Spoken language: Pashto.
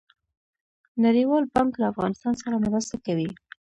نړیوال بانک له افغانستان سره مرسته کوي